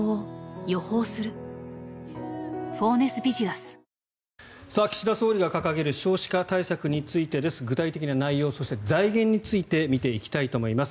そして、取材によってそのたたき台の中身の一部が岸田総理が掲げる少子化対策についてです。具体的な内容そして財源について見ていきたいと思います。